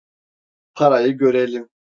Parayı görelim.